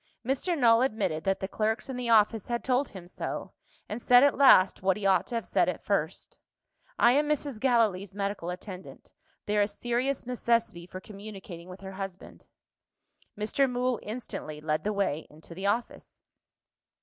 Mr. Null admitted that the clerks in the office had told him so, and said at last, what he ought to have said at first: "I am Mrs. Gallilee's medical attendant there is serious necessity for communicating with her husband." Mr. Mool instantly led the way into the office.